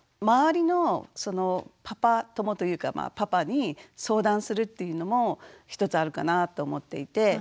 周りのパパ友というかパパに相談するっていうのも一つあるかなと思っていて。